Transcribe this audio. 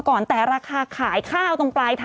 ศูนย์อุตุนิยมวิทยาภาคใต้ฝั่งตะวันอ่อค่ะ